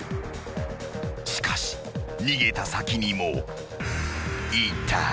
［しかし逃げた先にもいた］